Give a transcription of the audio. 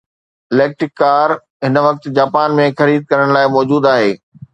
electric car هن وقت Japan ۾ خريد ڪرڻ لاءِ موجود آهي